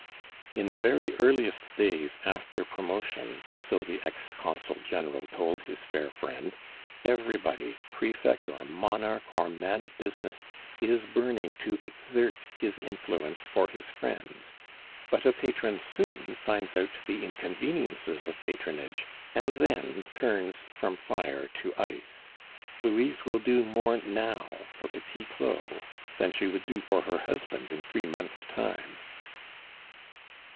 "In the very earliest days after promotion," so the ex consul general told his fair friend, "everybody, prefect, or monarch, or man of business, is burning to exert his influence for his friends; but a patron soon finds out the inconveniences of patronage, and then turns from fire to ice. Louise will do more now for Petit Claud than she would do for her husband in three months' time."